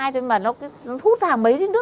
thế mà nó hút ra mấy lên đứa